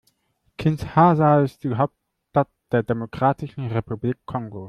Kinshasa ist die Hauptstadt der Demokratischen Republik Kongo.